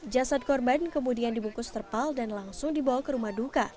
jasad korban kemudian dibungkus terpal dan langsung dibawa ke rumah duka